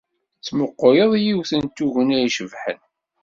Ttmuquleɣ yiwet n tugna icebḥen.